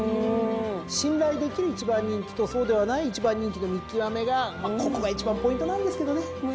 信頼できる１番人気とそうではない１番人気の見極めがここが一番ポイントなんですけどね。